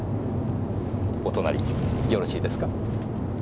お隣りよろしいですか？